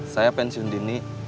saya pensiun dini